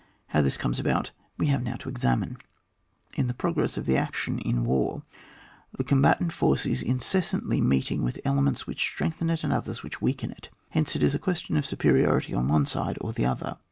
How this comes about we have now to examine. In the progress of action in war, the combatant force is incessantly meeting with elements which strengthen it, and others which weaken it. Hence it is a question of superiority on one side or the other.